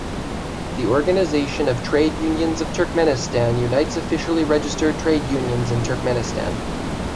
The Organization of Trade Unions of Turkmenistan unites officially registered trade unions in Turkmenistan.